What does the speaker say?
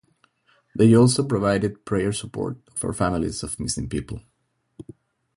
They also provided prayer support for families of missing people.